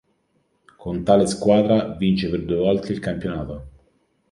Con tale squadra vince per due volte il campionato.